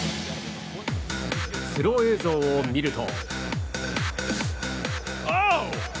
スロー映像を見ると。